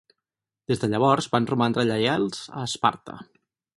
Des de llavors van romandre lleials a Esparta.